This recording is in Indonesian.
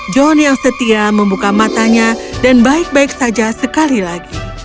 john yang setia membuka matanya dan baik baik saja sekali lagi